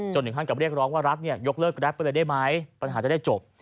ถึงขั้นกับเรียกร้องว่ารัฐยกเลิกแกรปไปเลยได้ไหมปัญหาจะได้จบ